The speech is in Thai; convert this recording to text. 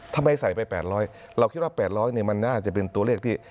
ทำไมใส่ไปแปดร้อยเราคิดว่าแปดร้อยนี่มันน่าจะเป็นตัวเลขที่